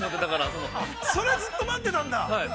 それをずっと待ってたんだ。